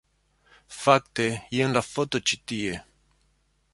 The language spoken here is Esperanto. Fakte, jen la foto ĉi tie